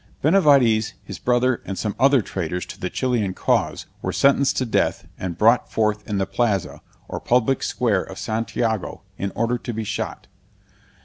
Benavides, his brother, and some other traitors to the Chilian cause, were sentenced to death, and brought forth in the Plaza, or public square of Santiago, in order to be shot.